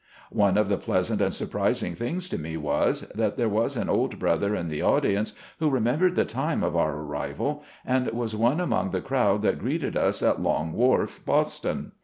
One of the pleasant and surprising things to me was, that there was an old brother in the audience who remembered the time of our arrival, and was one among the crowd that greeted us at Long Wharf, Boston.